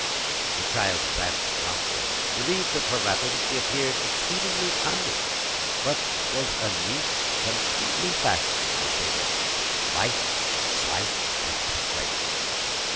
The child advanced promptly. Relieved of her wrapping, she appeared exceedingly tiny; but was a neat, completely fashioned little figure, light, slight, and straight.